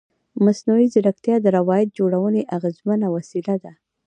مصنوعي ځیرکتیا د روایت جوړونې اغېزمنه وسیله ده.